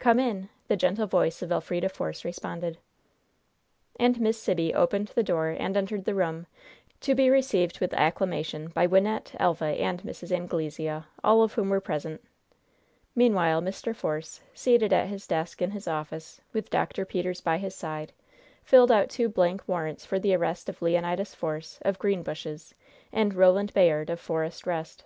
"Come in!" the gentle voice of Elfrida Force responded. And Miss Sibby opened the door and entered the room, to be received with acclamation by Wynnette, Elva and Mrs. Anglesea, all of whom were present. Meanwhile, Mr. Force, seated at his desk in his office, with Dr. Peters by his side, filled out two blank warrants for the arrest of Leonidas Force, of Greenbushes, and Roland Bayard, of Forest Rest.